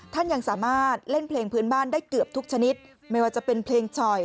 ยังสามารถเล่นเพลงพื้นบ้านได้เกือบทุกชนิดไม่ว่าจะเป็นเพลงฉ่อย